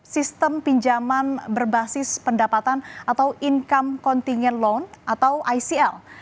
sistem pinjaman berbasis pendapatan atau income continuent loan atau icl